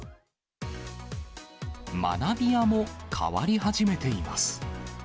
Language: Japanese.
学びやも変わり始めています。